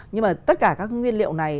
nhưng mà tất cả các nguyên liệu này